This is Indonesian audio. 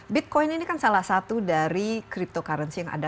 bitcoin ini kan salah satu dari cryptocurrency yang ada